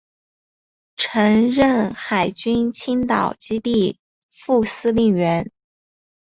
曾任海军青岛基地副司令员。